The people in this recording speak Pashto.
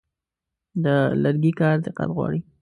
د لرګي کار دقت غواړي.